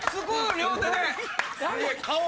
両手で。